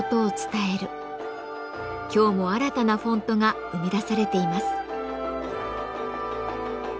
今日も新たなフォントが生み出されています。